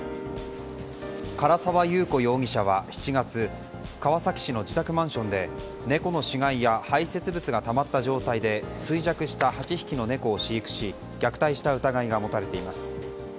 唐沢優子容疑者は７月川崎市の自宅マンションで猫の死骸や排泄物がたまった状態で衰弱した８匹の猫を飼育し虐待した疑いが持たれています。